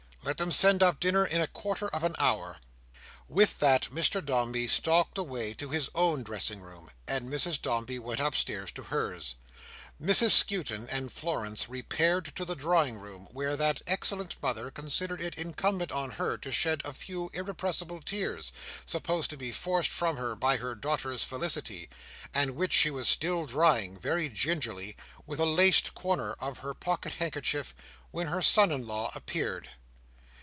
"Let them send up dinner in a quarter of an hour." With that Mr Dombey stalked away to his own dressing room, and Mrs Dombey went upstairs to hers. Mrs Skewton and Florence repaired to the drawing room, where that excellent mother considered it incumbent on her to shed a few irrepressible tears, supposed to be forced from her by her daughter's felicity; and which she was still drying, very gingerly, with a laced corner of her pocket handkerchief, when her son in law appeared.